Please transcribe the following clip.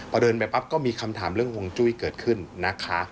พอเดินไปปั๊บก็มีคำถามเรื่องห่วงจุ้ยเกิดขึ้นนะคะ